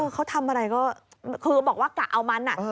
เขาทำอะไรก็คือบอกว่ากะเอามัน